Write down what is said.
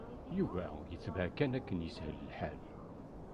Yuba yetbeɛ kan akken yeshel lḥal.